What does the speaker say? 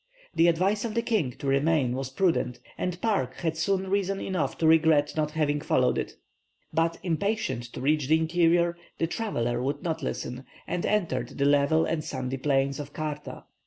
The advice of the king to remain was prudent, and Park had soon reason enough to regret not having followed it. But, impatient to reach the interior, the traveller would not listen, and entered the level and sandy plains of Kaarta.